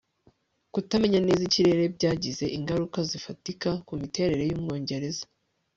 Kutamenya neza ikirere byagize ingaruka zifatika kumiterere yumwongereza